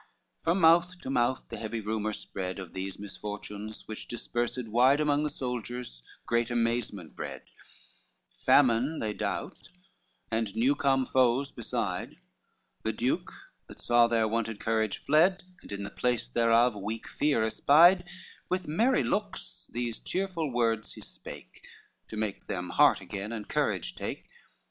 LXXXIX From mouth to mouth the heavy rumor spread Of these misfortunes, which dispersed wide Among the soldiers, great amazement bred; Famine they doubt, and new come foes beside: The duke, that saw their wonted courage fled, And in the place thereof weak fear espied, With merry looks these cheerful words he spake, To make them heart again and courage take.